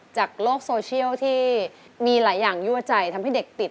จากโลกโซเชียลที่มีหลายอย่างยั่วใจทำให้เด็กติด